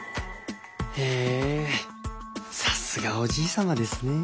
へえさすがおじい様ですね。